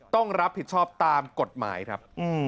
ต้องรับผิดชอบตามกฎหมายครับ